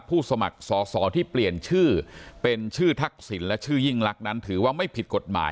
สมัครสอสอที่เปลี่ยนชื่อเป็นชื่อทักษิณและชื่อยิ่งลักษณ์นั้นถือว่าไม่ผิดกฎหมาย